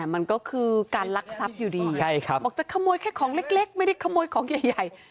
มันก็คือการลักทรัพย์อยู่ดีบอกจะขโมยแค่ของเล็กไม่ได้ขโมยของใหญ่